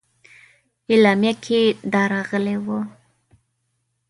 اعلامیه کې دا راغلي وه.